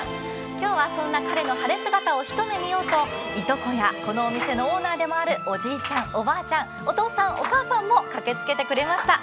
今日はそんな彼の晴れ姿を一目見ようといとこや、このお店のオーナーでもあるおじいちゃん、おばあちゃん、お父さん、お母さんも駆けつけてくれました。